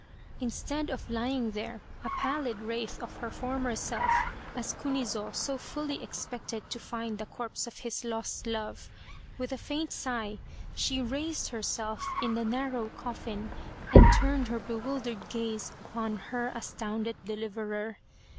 Instead of lying there a pallid wraith of her former self, as Kunizo so fully expected to find the corpse of his lost love, with a faint sigh she raised herself in the narrow coffin, and turned her bewildered gaze upon her astounded deliverer.